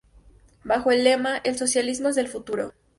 Bajo el lema ""¡El socialismo es el futuro!